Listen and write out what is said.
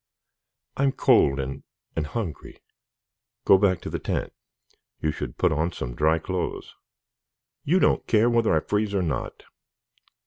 I'm cold and and hungry." "Go back to the tent. You should put on some dry clothes." "You don't care whether I freeze or not.